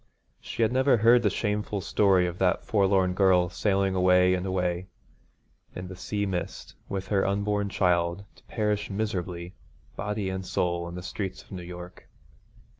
She had never heard the shameful story of that forlorn girl sailing away and away in the sea mist, with her unborn child, to perish miserably, body and soul, in the streets of New York.